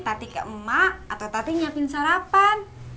tati ke emak atau tati nyiapin sarapan